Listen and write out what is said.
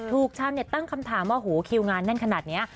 ถูกช้าตั้งคำถามว่าหูคิวงานแน่นขนาดนี้